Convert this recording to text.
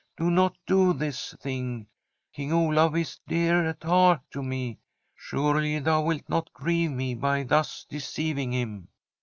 do not do this thing. King Olaf is dear at heart to me. Surely thou wilt not grieve me by thus deceiving him."